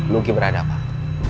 luki berada pak